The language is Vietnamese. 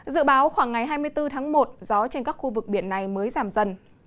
dự báo khoảng ngày hai mươi bốn tháng một gió trên các khu vực biển này mới giảm dần